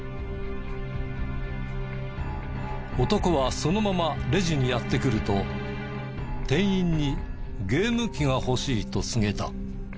男はそのままレジにやって来ると店員に「ゲーム機が欲しい」と告げた。